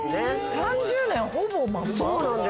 ３０年ほぼまんま？